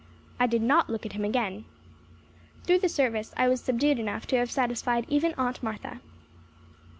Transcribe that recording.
I did not look at him again. Through the service I was subdued enough to have satisfied even Aunt Martha.